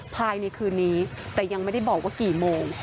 ภายในคืนนี้แต่ยังไม่ได้บอกว่ากี่โมง